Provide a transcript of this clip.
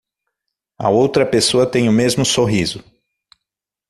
A outra pessoa tem o mesmo sorriso